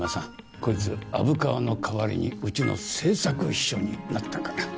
こいつ虻川の代わりにうちの政策秘書になったから。